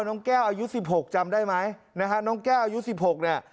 น้องแก้วอายุสิบหกจำได้ไหมนะฮะน้องแก้วอายุสิบหกเนี่ย